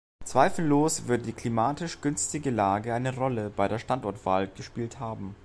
Zweifellos wird die klimatisch günstige Lage eine Rolle bei der Standortwahl gespielt haben.